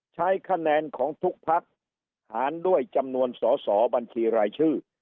ใช้คะแนนของทุกพักหารด้วยจำนวนสอสอบัญชีรายชื่อ